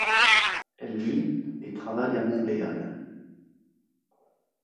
Elle vit et travaille à Montréal.